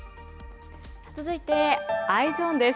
続いてＥｙｅｓｏｎです。